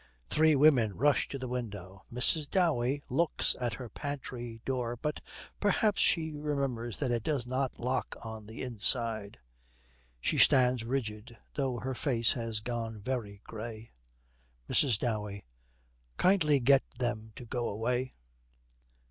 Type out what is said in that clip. Three women rush to the window. Mrs. Dowey looks at her pantry door, but perhaps she remembers that it does not lock on the inside. She stands rigid, though her face has gone very grey. MRS. DOWEY. 'Kindly get them to go away.'